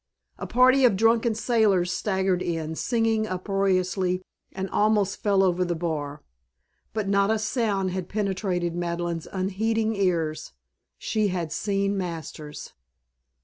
A party of drunken sailors staggered in, singing uproariously, and almost fell over the bar. But not a sound had penetrated Madeleine's unheeding ears. She had seen Masters.